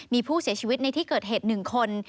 มีผู้เสียชีวิตในที่เกิดเหตุ๑คน